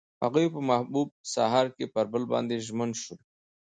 هغوی په محبوب سهار کې پر بل باندې ژمن شول.